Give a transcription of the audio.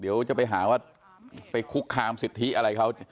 เดี๋ยวจะไปหาว่าไปคุกคามสิทธิอะไรเขา